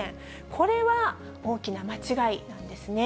これは大きな間違いなんですね。